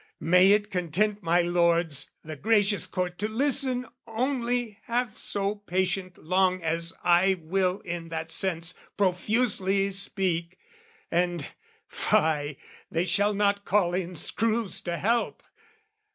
May it content my lords the gracious Court To listen only half so patient long As I will in that sense profusely speak, And fie, they shall not call in screws to help!